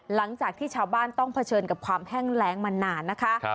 หลังจากที่ชาวบ้านต้องเผชิญกับความแห้งแรงมานานนะคะ